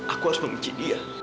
aku harus memuji dia